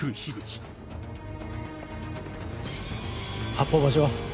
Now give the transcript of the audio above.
発砲場所は？